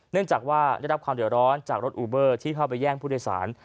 เนื่องจากว่าได้รับความเดือดร้อนจากรถอูเบอร์ที่เข้าไปแย่งผู้โดยสาร